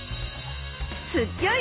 すギョい